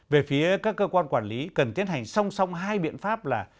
về phía các cơ quan quản lý cần tiến hành song song hai biện pháp là